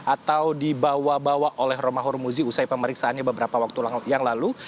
atau dibawa bawa oleh romahur muzi usai pemeriksaannya beberapa waktu yang lalu